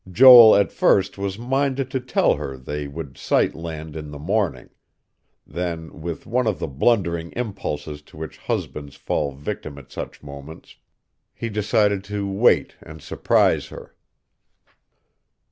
Joel, at first, was minded to tell her they would sight land in the morning; then, with one of the blundering impulses to which husbands fall victim at such moments, he decided to wait and surprise her.